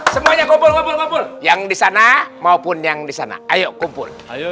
semuanya yang disana maupun yang disana ayo kumpul